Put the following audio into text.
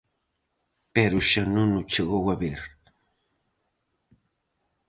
Pero xa non o chegou a ver.